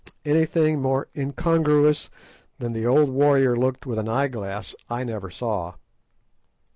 Anything more incongruous than the old warrior looked with an eye glass I never saw.